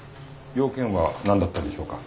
用件はなんだったんでしょうか？